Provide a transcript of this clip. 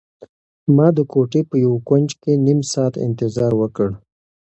ما د کوټې په یو کنج کې نيم ساعت انتظار وکړ.